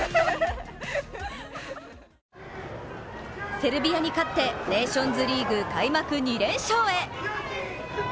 セルビアに勝って、ネーションズリーグ開幕２連勝へ。